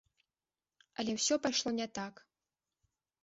Але ўсё пайшло не так.